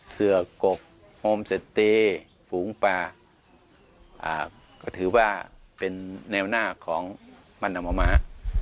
เสือกกภมเซอร์เตศภูมิปลาก็ถือว่าเป็นแนวหน้าของหมู่บ้านนาหมอม้า